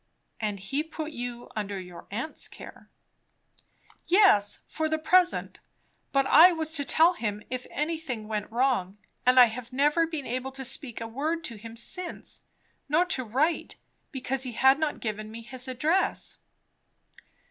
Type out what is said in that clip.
"And he put you under your aunt's care." "Yes, for the present. But I was to tell him if anything went wrong; and I have never been able to speak a word to him since. Nor to write, because he had not given me his address."